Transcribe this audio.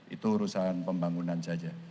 itu urusan pembangunan saja